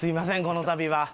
この度は。